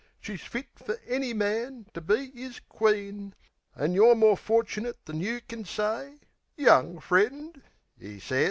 She's fit fer any man, to be 'is queen; An' you're more forchinit than you kin say, Young friend," 'e sez.